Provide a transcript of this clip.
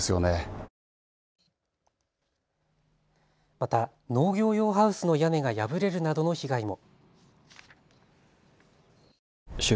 また農業用ハウスの屋根が破れるなどの被害も。